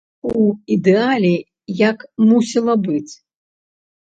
У ідэале як мусіла быць?